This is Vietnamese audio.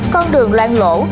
con đường loan lỗ